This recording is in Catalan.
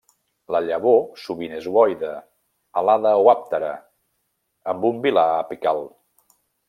La llavor sovint és ovoide, alada o àptera, amb un vilà apical.